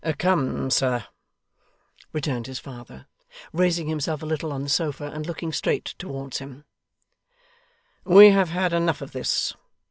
'Come, sir,' returned his father, raising himself a little on the sofa, and looking straight towards him; 'we have had enough of this.